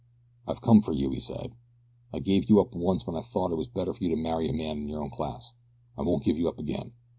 "I've come for you," he said. "I gave you up once when I thought it was better for you to marry a man in your own class. I won't give you up again.